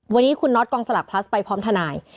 วันนี้คุณน็อตกองสลักพลัสไปพร้อมทนาย